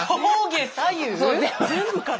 全部から？